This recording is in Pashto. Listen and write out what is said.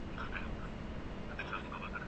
استازي به د وګړو غوښتنو ته غوږ نیسي.